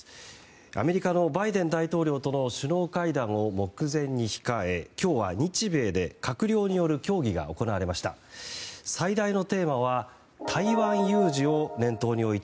アメリカのバイデン大統領との首脳会談を目前に控え今日は日米で閣僚による協議が行われました。